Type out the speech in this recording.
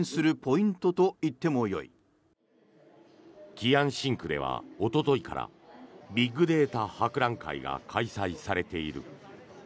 貴安新区ではおとといからビッグデータ博覧会が開催されている。